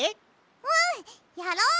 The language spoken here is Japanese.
うんやろう！